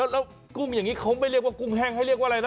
แล้วกุ้งอย่างนี้เขาไม่เรียกว่ากุ้งแห้งให้เรียกว่าอะไรนะ